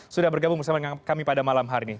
sudah bergabung bersama kami pada malam hari ini